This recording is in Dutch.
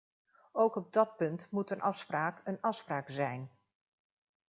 Ook op dat punt moet een afspraak een afspraak zijn.